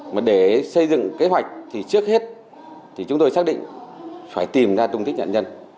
mà để xây dựng kế hoạch thì trước hết thì chúng tôi xác định phải tìm ra tung tích nạn nhân